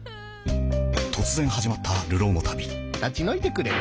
突然始まった流浪の旅立ち退いてくれる？